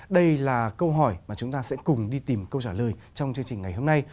đây là câu hỏi mà chúng ta sẽ cùng đi tìm câu trả lời trong chương trình ngày hôm nay